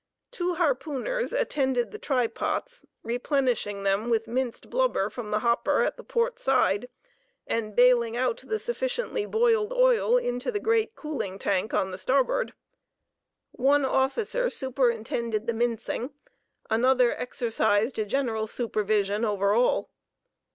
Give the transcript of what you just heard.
Two harpooners attended the try pots, replenishing them with minced blubber from the hopper at the port side, and bailing out the sufficiently boiled oil into the great cooling tank on the starboard. One officer superintended the mincing, another exercised a general supervision over all.